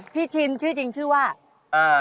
พี่ชินชื่อจริงว่าพี่ชินค่ะผม